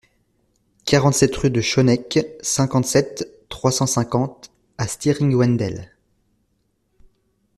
quarante-sept rue de Schoeneck, cinquante-sept, trois cent cinquante à Stiring-Wendel